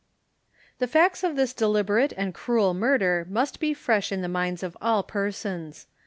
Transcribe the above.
The facts of this deliberate and cruel murder must be fresh in the minds of all persons.